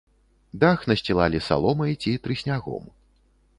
Дах насцілалі саломай ці трыснягом.